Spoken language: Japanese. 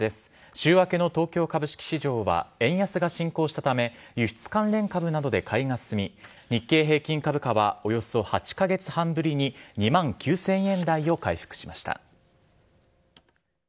週明けの東京株式市場は、円安が進行したため、輸出関連株などで買いが進み、日経平均株価はおよそ８か月半ぶりに２万９０００円台を回復しました。